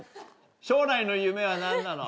将来の夢は何なの？